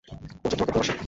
ও যে তোমাকে ভালোবাসে।